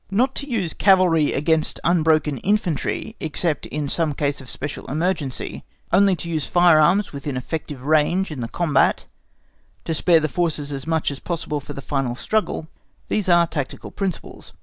Not to use cavalry against unbroken infantry except in some case of special emergency, only to use firearms within effective range in the combat, to spare the forces as much as possible for the final struggle—these are tactical principles.